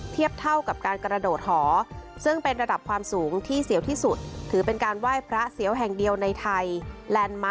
เทียบเท่ากับการกระโดดหอซึ่งเป็นระดับความสูงที่เสียวที่สุดถือเป็นการไหว้พระเสียวแห่งเดียวในไทย